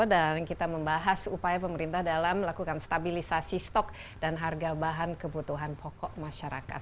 dan kita membahas upaya pemerintah dalam melakukan stabilisasi stok dan harga bahan kebutuhan pokok masyarakat